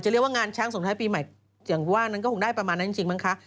เรียกว่างานช้างส่งท้ายปีใหม่อย่างว่านั้นก็คงได้ประมาณนั้นจริงมั้งคะ